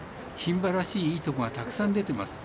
牝馬らしい、いいとこがたくさん出てます。